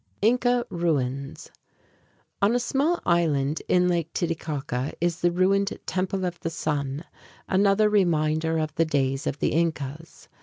Inca Ruins On a small island in Lake Titicaca is the ruined Temple of the Sun, another reminder of the days of the Incas.